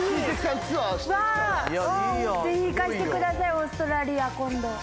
オーストラリア今度。